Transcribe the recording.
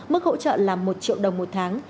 mức hỗ trợ là một triệu đồng một tháng